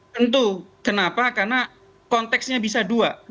tentu kenapa karena konteksnya bisa dua